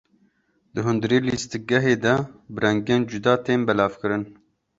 Di hundirê lîstikgehê de bi rengên cuda tên belavkirin.